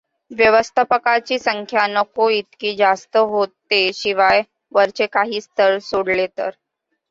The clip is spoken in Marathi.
व्यवस्थापकांची संख्या नको इतकी जास्त होतेशिवाय वरचे काही स्तर सोडले तर.